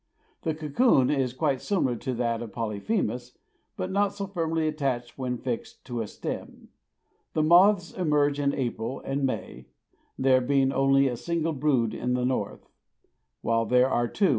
The cocoon is quite similar to that of Polyphemus, but not so firmly attached when fixed to a stem. The moths emerge in April and May, there being only a single brood in the north, while there are two in the south.